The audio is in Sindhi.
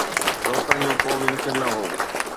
روڪڻ جو ڪو به ذڪر نه هو.